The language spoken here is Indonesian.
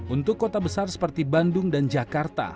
untuk kota besar seperti bandung dan jakarta